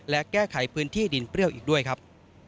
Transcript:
และแก้ไขพื้นที่ดินเปรี้ยวอีกด้วยครับ